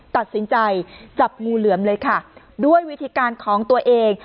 ตัดสินใจจับงูเหลือมเลยค่ะด้วยวิธีการของตัวเอง